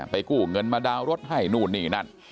กู้เงินมาดาวน์รถให้นู่นนี่นั่น